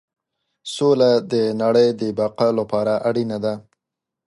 سوله د نړۍ د بقا لپاره اړینه ده.